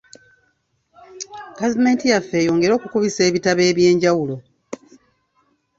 Gavumenti yaffe eyongere okukubisa ebitabo eby'enjawulo.